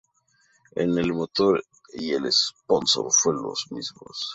El motor y el sponsor fueron los mismos.